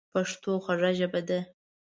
پښتو خوږه ژبه ده.